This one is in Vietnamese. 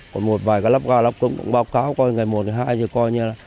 còn một vài lắp ga lắp cống cũng báo cáo ngày một ngày hai